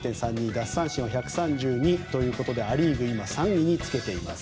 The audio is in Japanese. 奪三振は１３２ということでア・リーグ今３位につけています。